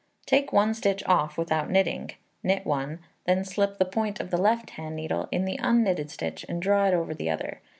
Take one stitch off without knitting; knit one, then slip the point of the left hand needle in the unknitted stitch and draw it over the other.